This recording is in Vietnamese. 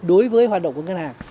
đối với hoạt động của ngân hàng